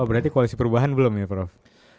berarti koalisi perubahan belum ya prof